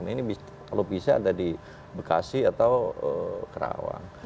ini kalau bisa ada di bekasi atau kerawang